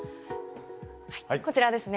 はいこちらですね。